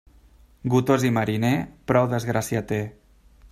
Gotós i mariner, prou desgràcia té.